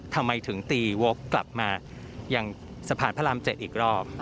ทำไมถึงตีวกกลับมาอย่างสะพานพระราม๗อีกรอบ